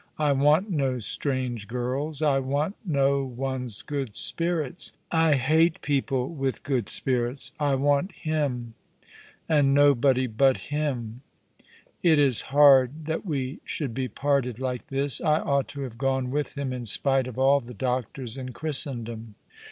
I want no strange girls. I want no one's good spirits. I hate people with good spirits. I want him, and nobody but him ! It is hard that we should be parted like this. I ought to have gone with him, in spite of all the doctors in Christendom."